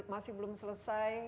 masih belum selesai